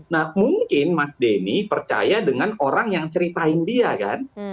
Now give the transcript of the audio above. nah mungkin mas denny percaya dengan orang yang ceritain dia kan